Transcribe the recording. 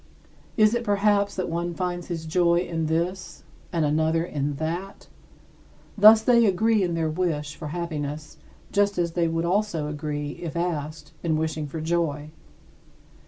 Is it, perhaps, that one finds his joy in this and another in that? Thus they agree in their wish for happiness just as they would also agree, if asked, in wishing for joy.